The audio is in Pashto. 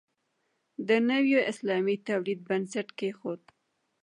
د نوي اسلامي دولت بنسټ کېښود.